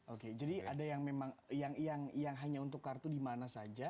oke jadi ada yang memang yang hanya untuk kartu di mana saja